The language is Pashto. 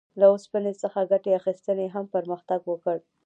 له اوسپنې څخه ګټې اخیستنې هم پرمختګ وکړ.